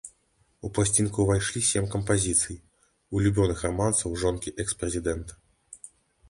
У пласцінку ўвайшлі сем кампазіцый, улюбёных рамансаў жонкі экс-прэзідэнта.